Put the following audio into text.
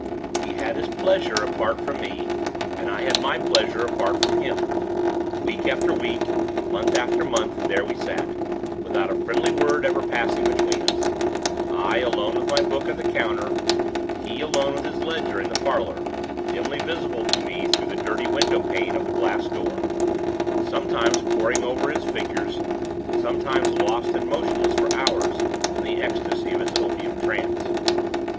He had his pleasure apart from me, and I had my pleasure apart from him. Week after week, month after month, there we sat, without a friendly word ever passing between us I, alone with my book at the counter; he, alone with his ledger in the parlor, dimly visible to me through the dirty window pane of the glass door, sometimes poring over his figures, sometimes lost and motionless for hours in the ecstasy of his opium trance.